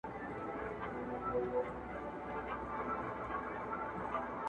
یارانو لوبه اوړي د اسمان څه به کوو؟-